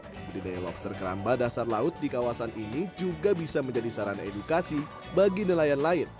pembudidaya lobster keramba dasar laut di kawasan ini juga bisa menjadi sarana edukasi bagi nelayan lain